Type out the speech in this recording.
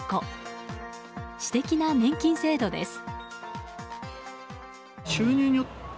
私的な年金制度です。